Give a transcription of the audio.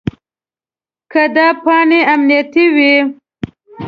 که دا پاڼې امنیتي وي.